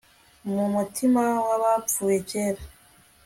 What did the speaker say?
Mu mutima wabapfuye kera